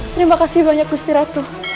terima kasih banyak gusti ratu